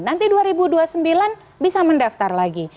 nanti dua ribu dua puluh sembilan bisa mendaftar lagi